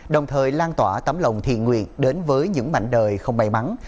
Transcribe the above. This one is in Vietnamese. đồng thời lan tỏa tấm lòng thiện nguyện đến với những mạnh đời không may mắn